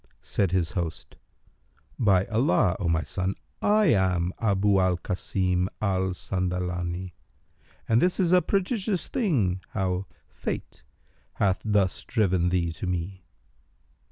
Said his host, "By Allah, O my son, I am Abu al Kasim al Sandalani, and this is a prodigious thing how Fate hath thus driven thee to me!"